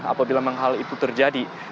apabila memang hal itu terjadi